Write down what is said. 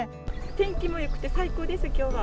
天気もよくて最高です、きょうは。